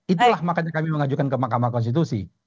itulah makanya kami mengajukan ke mahkamah konstitusi